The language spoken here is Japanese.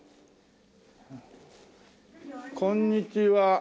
こんにちは。